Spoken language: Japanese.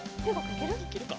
いけるか？